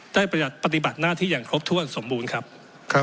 ภัยประติบัติหน้าที่อย่างครบถ้วนสมบูรณ์ครับครับ